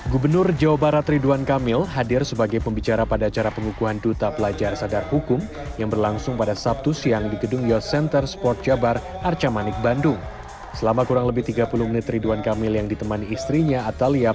kukuhan yang dihadiri gubernur jawa barat itu diharapkan dapat melahirkan generasi muda yang inspiratif